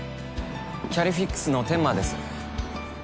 キャリフィックスの天間です。